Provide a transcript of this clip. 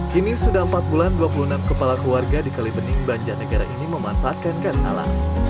kini sudah empat bulan dua puluh enam kepala keluarga di kalibening banjarnegara ini memanfaatkan gas alam